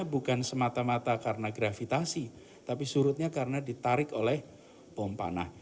bukan semata mata karena gravitasi tapi surutnya karena ditarik oleh pompa